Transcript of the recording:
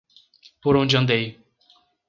Por onde andei